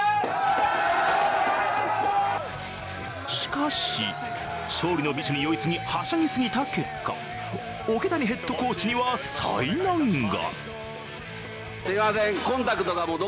しかし、勝利の美酒に酔いすぎ、はしゃぎすぎた結果、桶谷ヘッドコーチには災難が。